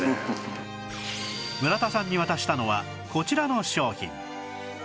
村田さんに渡したのはこちらの商品